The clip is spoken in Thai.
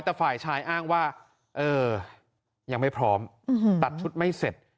แต่ฝ่ายชายอ้างว่าเออยังไม่พร้อมตัดชุดไม่เสร็จ